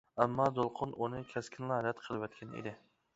ئەمما دولقۇن ئۇنى كەسكىنلا رەت قىلىۋەتكەن ئىدى.